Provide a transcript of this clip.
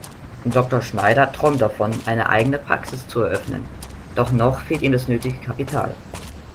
Dr. Schneider träumt davon, eine eigene Praxis zu eröffnen, doch noch fehlt ihm das nötige Kapital.